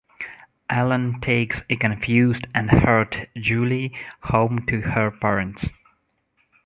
Alan takes a confused and hurt Julie home to her parents.